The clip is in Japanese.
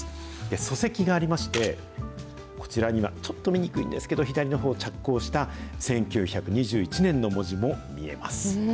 礎石がありまして、こちらに今、ちょっと見にくいんですけれども、左のほう、着工した１９２１年の文字も見えます。